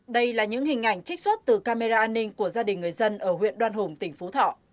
đây là những hình ảnh trích xuất từ camera an ninh của gia đình người dân ở huyện đoan hùng tỉnh phú thọ